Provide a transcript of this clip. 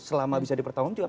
selama bisa dipertanggung jawab